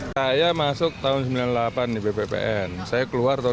saya masuk tahun seribu sembilan ratus sembilan puluh delapan di bppn saya keluar tahun dua ribu